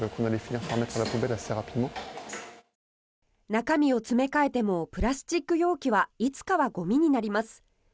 中身を詰め替えてもプラスチック容器はいつかはゴミになります。